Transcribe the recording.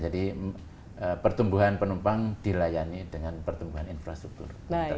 jadi pertumbuhan penumpang dilayani dengan pertumbuhan infrastruktur